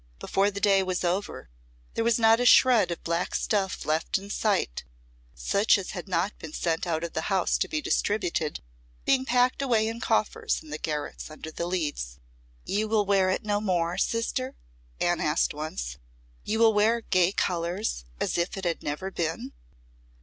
Before the day was over, there was not a shred of black stuff left in sight; such as had not been sent out of the house to be distributed, being packed away in coffers in the garrets under the leads. "You will wear it no more, sister?" Anne asked once. "You will wear gay colours as if it had never been?"